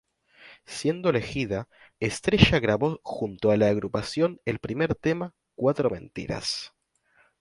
Siendo elegida, Estrella grabó junto a la agrupación el primer tema "Cuatro mentiras".